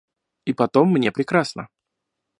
И потом мне прекрасно.